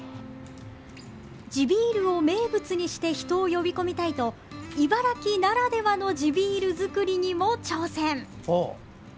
地ビールを名物にして人を呼び込みたいと茨城ならではの地ビール造りにも挑戦。